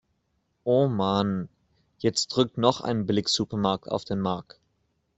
Oh Mann, jetzt drückt noch ein Billigsupermarkt auf den Markt.